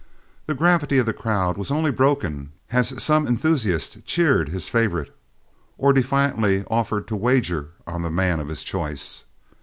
The gravity of the crowd was only broken as some enthusiast cheered his favorite or defiantly offered to wager on the man of his choice.